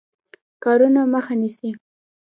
کارونو مخه نیسي.